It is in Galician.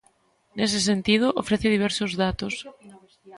Nese sentido, ofrece diversos datos.